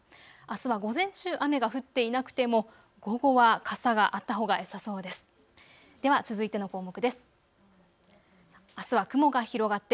あすは午前中、雨が降っていなくても午後は傘があったほうがよさそうです。